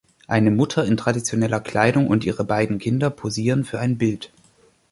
Eine Mutter in traditioneller Kleidung und ihre beiden Kinder posieren für ein Bild.